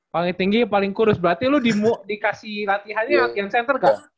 paling tinggi paling kurus berarti lu dikasih latihannya latihan center gak